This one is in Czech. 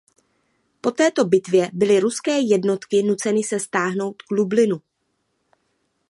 Po této bitvě byly ruské jednotky nuceny se stáhnout k Lublinu.